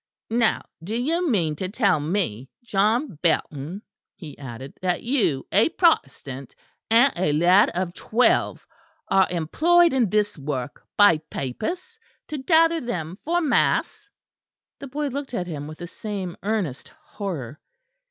"Now do you mean to tell me, John Belton," he added, "that you, a Protestant, and a lad of twelve, are employed on this work by papists, to gather them for mass?" The boy looked at him with the same earnest horror.